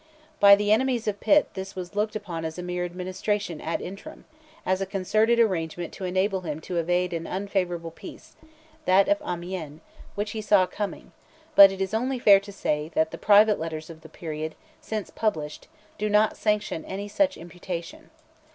By the enemies of Pitt this was looked upon as a mere administration ad interim; as a concerted arrangement to enable him to evade an unfavourable peace—that of Amiens—which he saw coming; but it is only fair to say, that the private letters of the period, since published, do not sanction any such imputation.